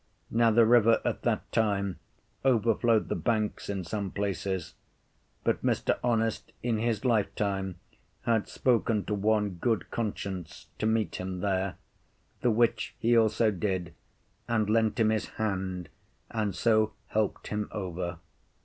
Now the river at that time overflowed the banks in some places, but Mr. Honest in his lifetime had spoken to one Good conscience to meet him there, the which he also did, and lent him his hand, and so helped him over.